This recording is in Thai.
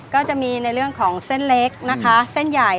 ก็จะมีในเรื่องของเส้นเล็กนะคะเส้นใหญ่